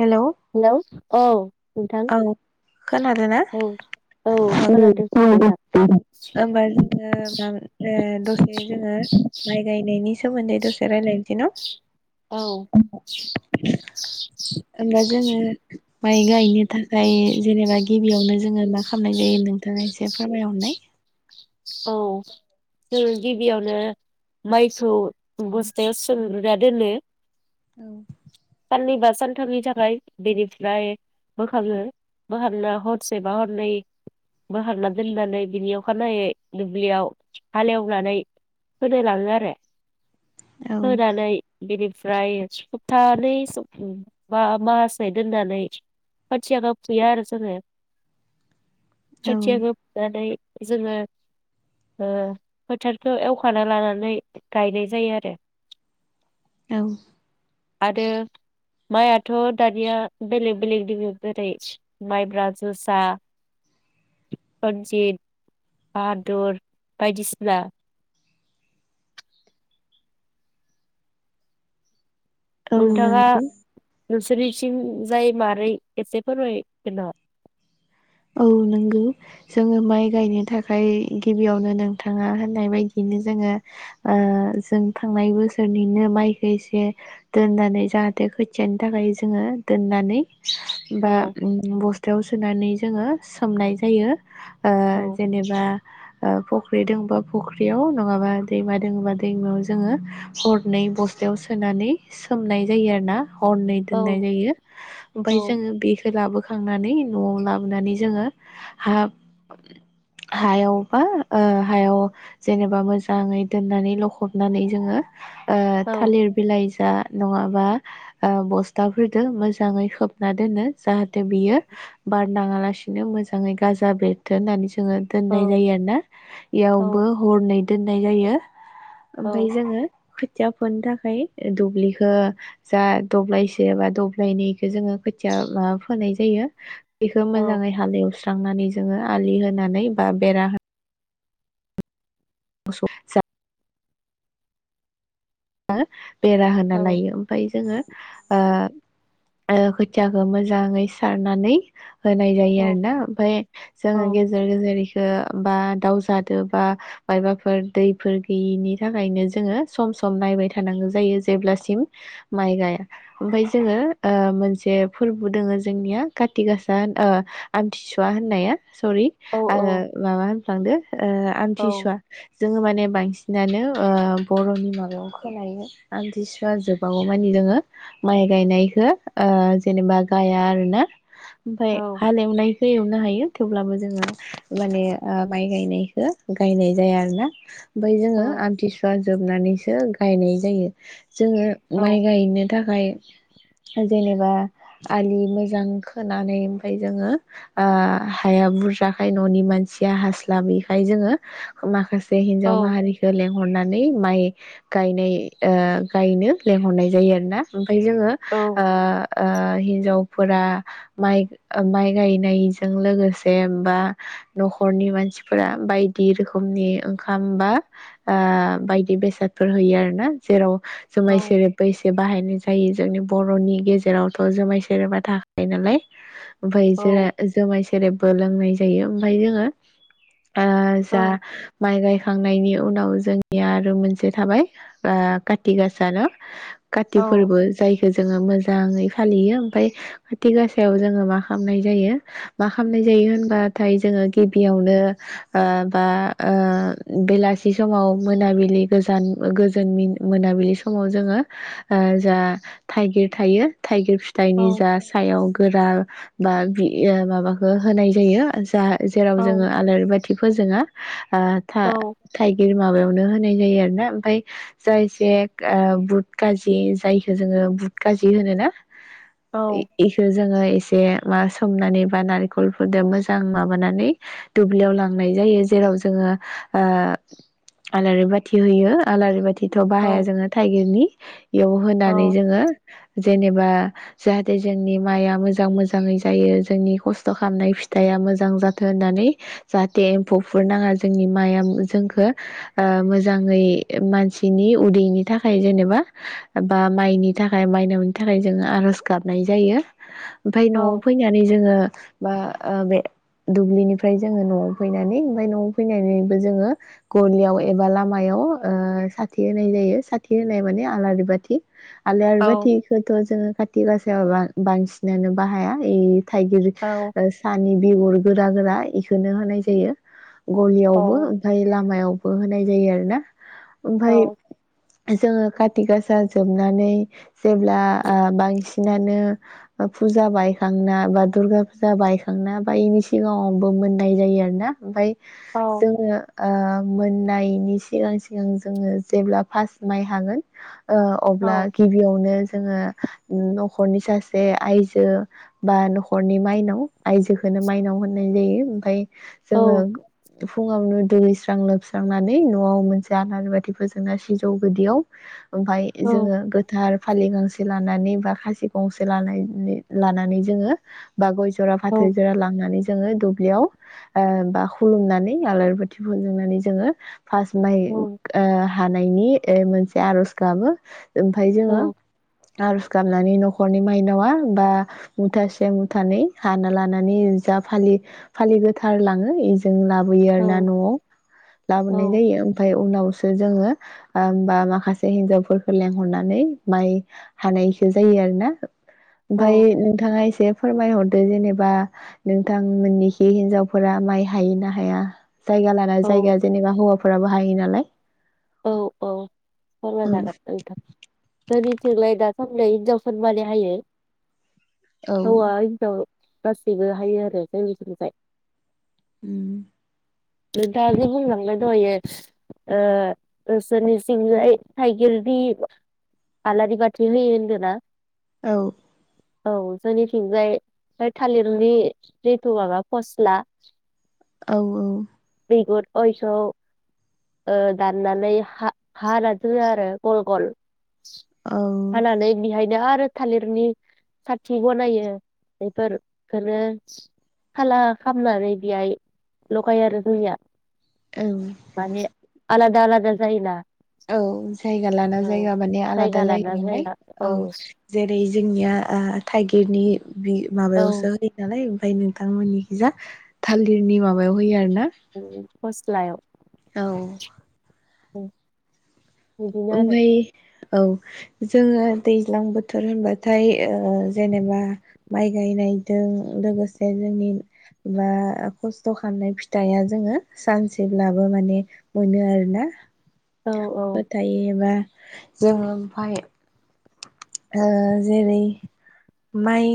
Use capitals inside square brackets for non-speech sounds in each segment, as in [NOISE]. Hello hello औ नोंथां औ खोनादों ना औ औ खोनादों नोंथां [UNINTELLIGIBLE] दसे जोङो माइ गायनायनि सोमोनदै दसे रायलायनसै न' औ ओमबा जोङो माइ गायनो थायो जेनेबा गिबियावनो जोङो माख खामनाय जायो नोंथाङा एसे फोरमायहरनाय। औ जों गिबियावनो माइखौ बस्थायाव सोग्रोना दोनो। औ साननै बा सान सानथामनि थाखाय बेनिफ्राय बोखाङो बोखांना हरसेबा हरनै बोखांना दोननानै बिनि अखानायै दुब्लियाव हालेवनानै फोनो लाङो आरो। औ फोनानै बिनि फ्राय सपथानै बा माहासे दोननानै खोथियाखो फुयो आरो जोङो। खोथियाखो फुनानै जोङो ओ फोथारखौ एवखाना लानानै गायनाय जायो आरो। औ। आरो माइआथ' दानिया बेलेग बेलेग दोङो जेरै माइब्रा, जोसा, रनजित। बाहादुर बायदिसिना। औ नोंगो। नोंसोरथिं जाय मारै एसे फोरमायगोन नामा? औ नोंगौ जोङो माइ गायनो थाखाय गिबियावनो नोंथाङा होननाय बायदिनो जोङो ओ जों थांनाय बोसोरनिनो माइखो एसे दोननानै जाहाथे खोथियानो थाखाय जोङो दोननानै बा औ बस्थायाव सोनानै जोङो सोमनाय जायो। ओ औ जेनेबा ओ फुख्रि दोङोबा फुख्रियाव नङाबा दैमा दोङोबा दैमायाव जोङो हरनै बस्थायाव सोनानै सोमनाय जायो आरो ना। हरनै दोननाय औ जायो ओमफ्राय औ जोङो बेखौ लाबो खांनानै नआव ला बोनानै जोङो हा हायाव बा ओ हायाव जेनेबा मोजाङै दोननानै लख'बनानै जोङो ओ औ थालिर बिलाइ जा नङाबा ओ बस्थाफोरदो मोजाङै खोबना दोनो जाहाथ थे बियो बाट नाङालासिनो मोजाङै गाजा बेरथो होननानै जोङो दोननाय औ जायो आरो ना इयावबो औ हरनै दोननाय जायो। औ ओमफाय जोङो खोथिया फोनो थाखाय दुब्लिखो जा दब्लायसे बा दब्लायनैखो जोङो खोथिया मा फोनाय जायो। बेखौ मोजाङै हालेवस स्रांनानै जोङो आलि होनानै बा बेरा होना [UNINTELLIGIBLE] [UNINTELLIGIBLE] बेरा औ होना लायो ओमफ्राय जोङोछ ओ ओ खोथियाखौ मोजाङै सारनानै होनाय औ जायो आरो ना ओमफाय औ जोङो गेजेर गेजेर ओ बा दाउ जादो बा मायबाफोर दै फोर गोयिनि थाखायनो जोङो सम सम नायबाय थानांगौ जायो जेब्लासिम माइ गाया ओमफाय जोङो ओ मोनसे फोरबो दोङो जोंनिया काति गासा ओ आमथिसुवा होननाया सरि औ आङो माबा [UNINTELLIGIBLE] ओ आमथिसुवा जोङो माने बांसिनानो ओ बरनि माबा [UNINTELLIGIBLE] खोनायो आमथिसुवा जोबाग मानि जोङो माइ गायनायखौ ओ जेनेबा गाया आरो ना ओमफ्राय हालेवनाय खो एवनो हायो थेवब्लाबो जोङो माने ओ माइ गायनायखौ गायनाय जाया आरो ना ओमफ्राय जोङो आमथिसुवा जोबनानैसो गायनाय जायो जोङो औ माइ गायनो बि थाखाय जेनेबा आलि मोजां खोनानै ओमफाय जोङो हाया बुरजाखाय न'नि मानसिया हास्लाबयैखाय जोङो माखासे से हिन्जाव माहारिखौ लेग हरनानै माय गायनाय ओ गायनो लेंहरनाय जायो आरो ना। ओफाय जोङो ओ हिन्जावफोरा माइ माइ गायनायजों लोगोसे बा न'खरनि मानसिफोरा बायदि रोखोमनि ओंखाम बा बायदि बेसाद फोर होयो आरो ना जेराव औ जुमाय सेर बैसे बाहायनो। जायो जोंनि बर'नि गेजेरावथ' जुमाय सेरोबा थाखायो नालाय। ओमफफ्राय जा औ जुमाय सेरेबबो लोंनाय जायो ओमफ्राय जोङो आ जा औ माइ गाय थांनायनि उनाव जोंनिया आरो मोनस से मोनसे थाबाय कथि गासा न। काति फोरबो जायखौ जोङो मोजां मोजाङै फालियो ओमफ्राय खाथि गासायाव जोङो मा खालामनाय जायो मा खालामनाय जायो होनबाथाय जोङो गिबियावनो ओ बा बेलासि समाव मोनाबिलि गोजान गोजोन मोनाबिलि समाव जोङो जा थाइगिर थायो थिर फिथाइनि जा फोरमायजागोन सायाव गोरा बा बि माबाखौ होनाय जायो जा जेराव जोङो आलारि बाथि फोजोङा। था-था-थाइगिर माबायावनो हो होनाय जायो आरो। ना ओमफ्राय जायजेक ओ बुट गाजि जायखौ जोङो बुट गाजि होनो ना। नोंथां इखो जोङो एसे मा सोमनानै बा नारेंखलफोरजों मोजां माबानानै दुब्लियाव लांनाय जायो जेराव जोङो ओ आलारि बाथि। थि होयो आलारि बाथि दिथ' बाहाया जोङो थाइगिरनि इयाव होनानै जोङो जेनेब बा जाहाथे जोंनि माया मोजां मोजां जायो जोंनि खसथ'खामनाय फिथाइया मोजां जाथो होननानै जाहाथे एमफौफोर नाङा जोंनि माया जोंखो ओ मोज मोजाङै मानसिनि उदैनि थाखाय जेनेबा बा माइनि थाखाय मायनावनि थाखाय जोङो आर'ज गाबनाय जायो। ओमफाय न'आव फैनानै जोङो बा ओ बे दुब्लिनिफ्राय जोङो न'आव फैनानै ओमफाय न'आव फैनानैबो जोङो गलियाव एबा लाम मायाव साथि होनाय जायो साथि होनाय माने आलारि बाथि। आलाय आरो बाथि खोथ' जोङो खाथि गास सोरबा बांसिनानो बाहाया इ। थाइगिर ओ सानि बिगर गो गोरा गोरा इखोनो होनाय जायो। गलियावबो ओमफाय लामायाव ओ होनाय जायो आरो। ना। ओमफाय जोङो काति गासा जोबनानै जेब्ला ओ बांसि नानो ओ फुजा बायखांना बा दुर्गा फुजा बायखांना बा इनि सिगाङावबो मोननाय जायो आरो ना ओमफाय जोङो ओ मोननायनि सिगां सिगां जोङो जेब्ला फास्त माइ हागोन ओ अब्ला गिबियावनो जोङो नख'रनि सासे आइजो बा नख'रनि माइनाव आयजोखोनो माइनाव होननाय जायो ओमफाय जोङो फुङावनो दैैगैस्रां लोबस्रांनानै न'आव मोनसे आनारि बाथि फोजोंना सिजौ गुदियाव ओमफाय जोङो गोथार फालि गांसे लानानै बा खासि गंसे लानायनै लानानै जोङो बा गय जरा फाथै जरा लांनानै जों जोङो दुब्लियाव ओ बा खुुलुमनानै आलरि बाथि फोजोंनानै जोङो फास माइ ओ हानायनि ओ मोनसे आरज गाबो। ओमफाय जोङो आरज गाबनानै नख खरनि माइनावा बा मुथासे मुथानै हाना लानानै जा फालि फालि गोथार लाङो इजों लाब बोयो आरो ना न'आव लाबोनाय जायो। ओमफाय उनावसो जोङो होनबा माखासे हिनजावफोरखौ लेंहरनानै माइ हानायखो जायो आरो ना? ओमफाय नोंथाङा इसे फोरमायहरद दो जेनेबा नोंथां मोननिखि हिनजावफोरा माइ हायो ना हाया? जायगा लाना जायगा जेनेबा हौवाफो हायो नालाय? औ औ फोरमाय जागोन औ नोंथां। जोंनिथिंलाय दा सान्दै हिन्जावफोरमानि हायो। औ हौवा हिन्जाव गासैबो हायो आरो जोंनिथिंजाय उम नोंथाङा जे बुंलांदो दहैयो ओ नोंसोरनिसिंजाय थाइगिरनि आलारि बाथि होयो होनदो ना? औ औ जोंनिथिंजाय बे थालिरनि जिथु माबा फस्ला औ औ बिगुर अ इखौ ओ दाननानै हानाना दोनो आरो गल गल औ हानानै बिहाय नो आरो थालिरनि साथि बनायो बेफोरखोनो खाला खालामनानै बेहाय लगायो आरो [UNINTELLIGIBLE] औ माने आलादा आलाद जा जायो ना? औ जायगा लाना जायगा माने आलादा जायगा जायो लाना नालाय जायगा औ जेरै जोंनिया ओ थाइगिरनि बि औ माबायावसो होयो नालाय ओमफाय नोंथांमोननि खिजा थालिरनि माबायाव होयो आरो ना? फस्लायाव औ औ ओमफाय औ जोङो दैज्लां बोथोर होनबाथाय ओ जेनेबा माइ गायनायजों लोगोसे जोंनि बा खस्थ खामनाय फिथाइया जोङो सानसेब्लाबो माने मोनो आरोना? औ बो थायोबा जोङो ओमफाय। ओ जेरै माइ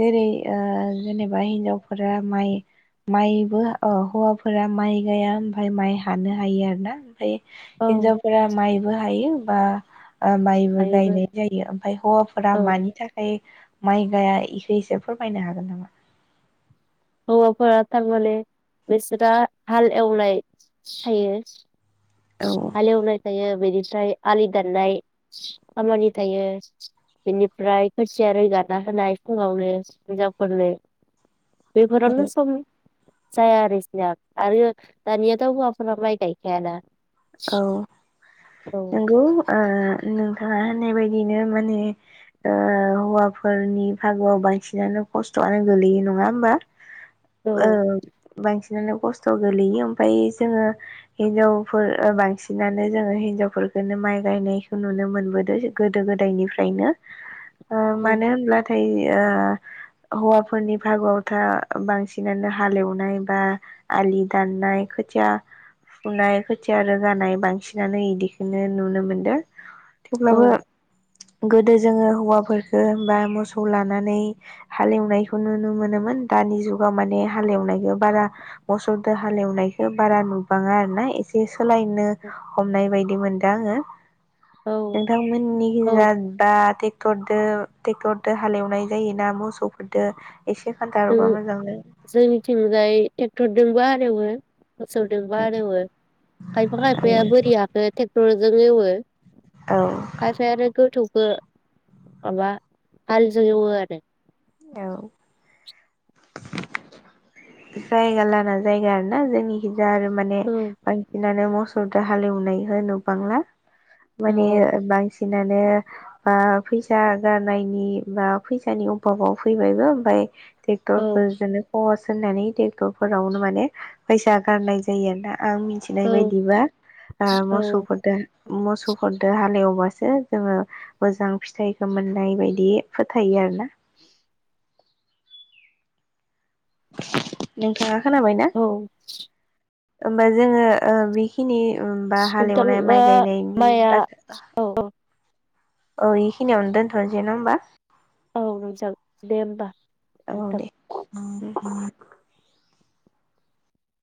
जेरै ओ जेनेबा हिन्जावफोरा माइ माइबो हौवाफोरा माइ गाया ओमफाय माइ हानो हायो आरो ना ओमफाय। औ हिनजावफोरा माइ। बो हायो बा। ओ माइबो हायोबो गायनाय जायो। ओमफाय हौवाफोरा औ मानि थाखाय। माइ गाया इखौ इसे फोरमायनो हागोन नामा। हौवाफोरा थारमाने बिसोरा हाल एवनाय थायो। औ हालेवनाय थायो बेदि फ्राय आलि दाननाय खामानि थायो बेनिफ्राय खोथिया रोगाना होनाय फुङावनो हिनजावफोरनो। बेफोरावनो सम। जाया आरो इसिना आरो दानियाथ हौवाफोरा माइ गायखायाना। औ औ नोंगौ। ओ नोंथाङा होननाय बायदिनो माने ओ हौवाफोरनि फागोआव बांसिनानो खस्थआनो गोलैयो नङा होमबा। औ [UNINTELLIGIBLE] बांसिनानो खस्थ गोलैयो ओमफाय जोङो हिनजावफोर। ओ बांसिनानो जोङो हिनजावफोरखौनो माइ गायनायखौ नुनो मोनबोदों गोदो गोदायनिफ्रायनो। ओ औ मानो होनब्लाथाय। ओ हौवाफोरनि फागुआवथा बांसिनानो हालेवनाय बा आलि दाननाय खोथिया फुनाय। थिया रोगानाय बांसिनानो इदिखौनो नुनो मोनदों। औ थेवब्लाबो। गोदो जोङो हौवाफोरफोरखो होमबा मोसौ लानानै हालेवनायखौ नुनो मोनोमोन दानि जुगाव माने हालेवनायखौ बारा मोसौदो हालेवनायखौ बारा नुबाङा आरो ना एसे [INAUDIBLE] सोलायनो हमनाय बायदि मोन। [UNINTELLIGIBLE] औ नोंथांमोननि औ जा दा टेक्टर। दो टेक्टरदो हालेवनाय जायोना मोसौफोरदो। [UNINTELLIGIBLE] एसे खोन्थाहरबा मोजां जागोन जोंनिथिंजाय टेक्टर। दोंबो हालौवो। मोसौदोंबो हालेवो खायफा खायफाया बोरियाखो टे टरजों एवो। औ खायफाया आरो [UNINTELLIGIBLE] [UNINTELLIGIBLE] माबा हालजों एवो आरो। औ। जायगा लाना जायगा आरोना जोंनि। [UNINTELLIGIBLE] आरो माने औ बानसिनानो मस दा हालेवनाय हो नुबांला । औ माने बांसि सिनानो फैसा गारनायनि बा फैसानि अभाबाव फैबायबो ओमफ्राय टेक्टर औ फोरजोनो खहस होनानै टेक्टफोरावनो माने फैसा गारनाय जायोना । आं मिथिनाय बायदिबा ओ औ मोसौफोर दो मोसौफोरदो हालेवबासो जोङो मोजां फिथाइखौ मोननाय बायदि फोथायो आरो ना । नोंथांङा खोनाबायना? औ होमबा जोंङो ओ बेखिनि बा हालेवनाय सथालफ्रा माइ गायनायनि माया औ । ओ इखिनियावनो दोनथ'नोसै नङा होमबा? औ जागोन दे होमबा । औ दे । म [UNINTELLIGIBLE]